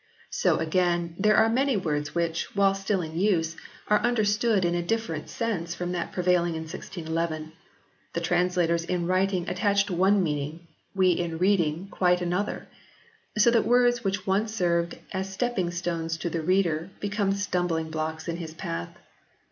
So again there are many words 118 HISTORY OF THE ENGLISH BIBLE [OH. which, while still in use, are understood in a different sense from that prevailing in 1611. The translators in writing attached one meaning, we in reading quite another. So that words which once served as stepping stones to the reader become stumbling blocks in his path.